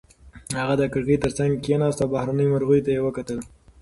هغه د کړکۍ تر څنګ کېناسته او بهرنیو مرغیو ته یې وکتل.